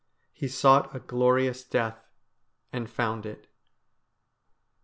He sought a glorious death, and found it.